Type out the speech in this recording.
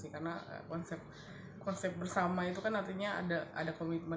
karena konsep bersama itu kan artinya ada komitmen